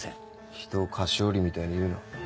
人を菓子折りみたいに言うな。